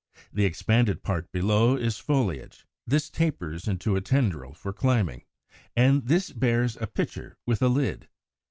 The expanded part below is foliage: this tapers into a tendril for climbing; and this bears a pitcher with a lid.